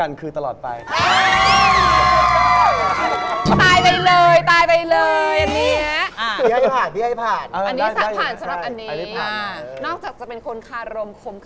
รูดเป็นล้าน